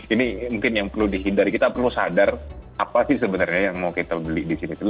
ini mungkin yang perlu dihindari kita perlu sadar apa sih sebenarnya yang mau kita beli di sini